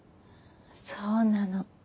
そうなの。